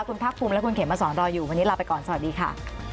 คุณภาคภูมิและคุณเขมมาสอนรออยู่วันนี้ลาไปก่อนสวัสดีค่ะ